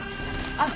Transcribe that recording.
あっ。